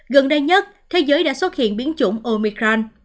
gần đây nhất thế giới đã xuất hiện biến chủng omicran